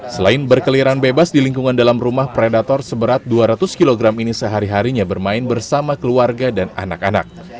selain berkeliaran bebas di lingkungan dalam rumah predator seberat dua ratus kg ini sehari harinya bermain bersama keluarga dan anak anak